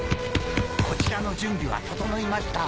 こちらの準備は整いました。